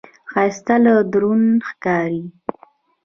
ښایست له درون ښکاري